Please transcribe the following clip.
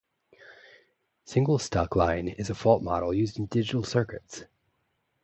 Single stuck line is a fault model used in digital circuits.